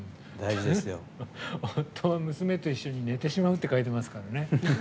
夫は娘と一緒に寝てしまうと書いてますからね。